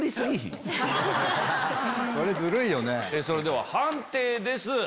それでは判定です。